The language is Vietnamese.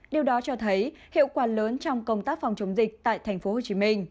điều đó cho thấy hiệu quả lớn trong công tác phòng chống dịch tại tp hcm